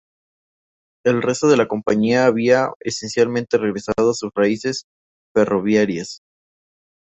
El resto de la compañía había esencialmente regresado a sus raíces ferroviarias.